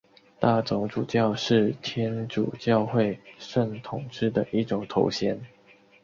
大总主教是天主教会圣统制的一种头衔。